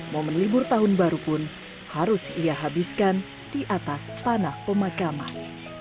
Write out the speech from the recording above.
momen libur tahun baru pun harus ia habiskan di atas tanah pemakaman